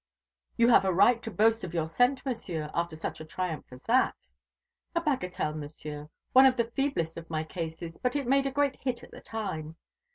"You have a right to boast of your scent, Monsieur, after such a triumph as that." "A bagatelle, Monsieur, one of the feeblest of my cases: but it made a great hit at the time.